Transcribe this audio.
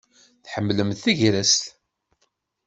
Tḥemmlemt tagrest?